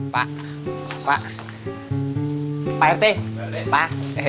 pak pak rt pak